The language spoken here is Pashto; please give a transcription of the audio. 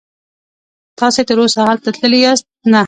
تاسې تراوسه هلته تللي یاست؟ نه.